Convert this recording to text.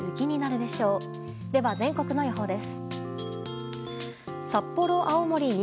では全国の予報です。